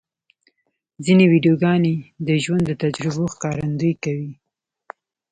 ځینې ویډیوګانې د ژوند د تجربو ښکارندویي کوي.